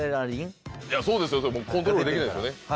そうですよコントロールできないですよね。